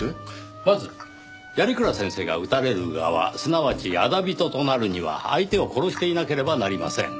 まず鑓鞍先生が討たれる側すなわち仇人となるには相手を殺していなければなりません。